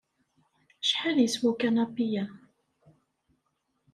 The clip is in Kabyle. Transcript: Acḥal yeswa ukanapi-ya?